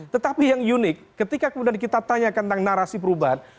tetapi yang unik ketika kemudian kita tanyakan tentang narasi perubahan